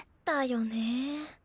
だよね。